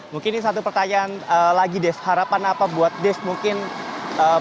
mungkin ini satu pertanyaan lagi dave harapan apa buat dave